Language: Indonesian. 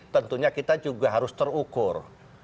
tentunya kita juga harus terukur